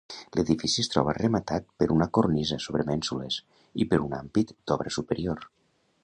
L'edifici es troba rematat per una cornisa sobre mènsules i per un ampit d'obra superior.